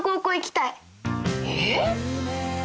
えっ！？